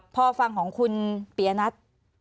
พอฟังของคุณปียนัท